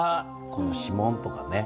この指紋とかね。